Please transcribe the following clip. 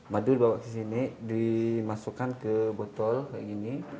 madu dibawa ke sini dimasukkan ke botol kayak gini